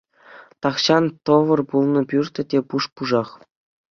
Тахҫан тӑвӑр пулнӑ пӳрт те пуш-пушах.